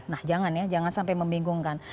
nah jangan ya jangan sampai membingungkan